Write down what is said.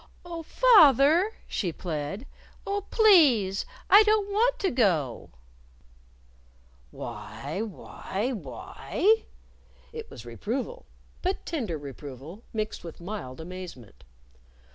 "Oh, fath er!" she plead. "Oh, please, I don't want to go!" "Why! Why! Why!" It was reproval; but tender reproval, mixed with mild amazement.